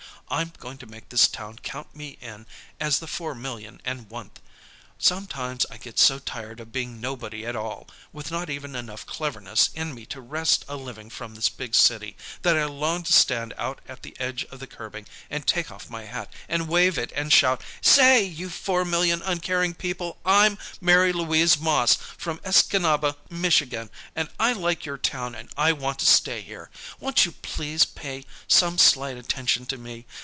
I'm going to make this town count me in as the four million and oneth. Sometimes I get so tired of being nobody at all, with not even enough cleverness in me to wrest a living from this big city, that I long to stand out at the edge of the curbing, and take off my hat, and wave it, and shout, 'Say, you four million uncaring people, I'm Mary Louise Moss, from Escanaba, Michigan, and I like your town, and I want to stay here. Won't you please pay some slight attention to me.